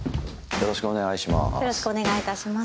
よろしくお願いします。